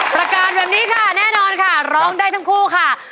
ประกาศแบบนี้ค่ะแน่นอนค่ะร้องได้ทั้งคู่ค่ะ